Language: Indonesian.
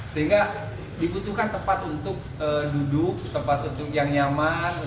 sehingga dibutuhkan tempat untuk duduk tempat untuk yang nyaman